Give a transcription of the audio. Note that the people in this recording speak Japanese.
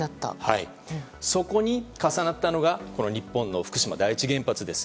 はい、そこに重なったのがこの日本の福島第一原発です。